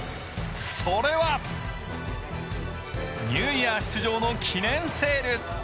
それはそれは、ニューイヤー出場の記念セール。